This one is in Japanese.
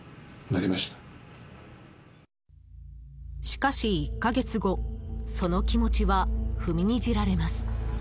しかし、１か月後その気持ちは踏みにじられます。